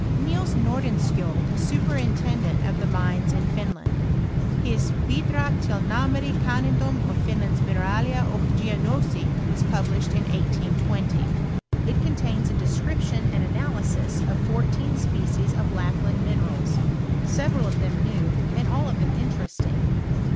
Nils Nordenskiold is superintendent of the mines in Finland ; his " Bidrag till narmare kannedom af Fmland's Mineralieroch Geognosie" was published in 1820. It contains a description and analysis of fourteen species of Lapland minerals, several of them new, and all ofthem interesting